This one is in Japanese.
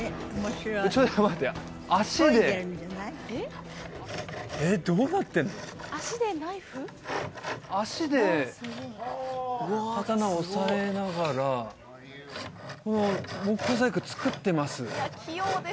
ちょっと待って足で足で刀を押さえながらこの木工細工作ってます